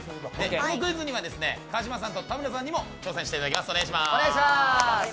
このクイズには川島さんと田村さんにも挑戦していただきます。